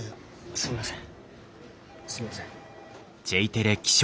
すみません。